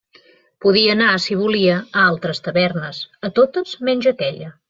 Podia anar si volia a altres tavernes; a totes menys aquella.